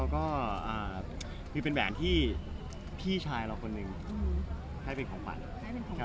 ก็คือเป็นแหวนที่พี่ชายเราคนหนึ่งให้เป็นของขวัญ